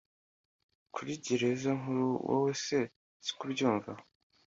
kuri gereza nkuru wowe se siko ubyumva